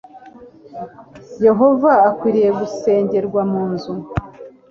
yehova akwiriye gusengerwa mu nzu